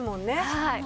はい。